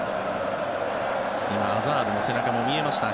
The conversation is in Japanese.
アザールの背中も見えました。